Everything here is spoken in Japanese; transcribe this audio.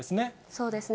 そうですね。